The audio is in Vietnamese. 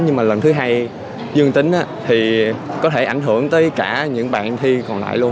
nhưng mà lần thứ hai dương tính thì có thể ảnh hưởng tới cả những bạn thi còn lại luôn